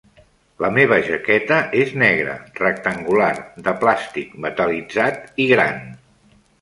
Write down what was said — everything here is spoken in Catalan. La meva jaqueta és negra, rectangular, de plàstic metal·litzat i gran.